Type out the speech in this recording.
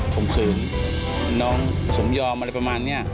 ผมขืนน้องสมยอมอะไรประมาณนี้